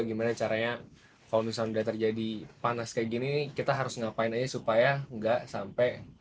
gimana caranya kalau misalnya udah terjadi panas kayak gini nih kita harus ngapain aja supaya nggak sampai